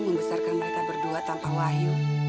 membesarkan mereka berdua tanpa wayu